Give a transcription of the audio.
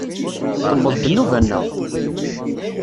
Tewweḍ-d nnuba-nneɣ!